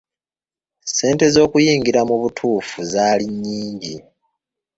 Ssente z'okuyingira mu butuufu zaali nnyingi.